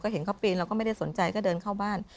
เห็นเขาปีนไม่ได้สนใจดูเดินเข้าบ้าน